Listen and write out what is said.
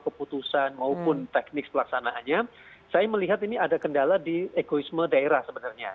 keputusan maupun teknik pelaksanaannya saya melihat ini ada kendala di egoisme daerah sebenarnya